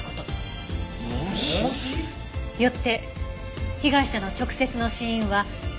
よって被害者の直接の死因は脳の損傷です。